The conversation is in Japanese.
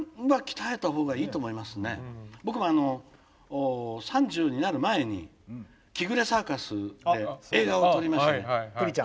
僕もあの３０になる前にキグレサーカスで映画を撮りましてね。